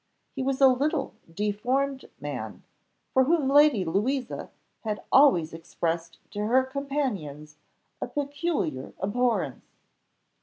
He was a little deformed man, for whom Lady Louisa had always expressed to her companions a peculiar abhorrence.